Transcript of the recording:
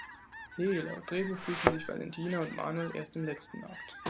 He, laut Drehbuch küssen sich Valentina und Manuel erst im letzten Akt!